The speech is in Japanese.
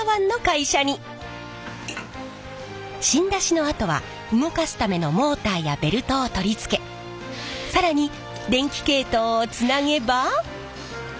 芯出しのあとは動かすためのモーターやベルトを取り付け更に電気系統をつなげば。